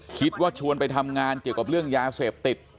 ชวนไปทำงานเกี่ยวกับเรื่องยาเสพติด